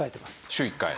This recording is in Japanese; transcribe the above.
週１回。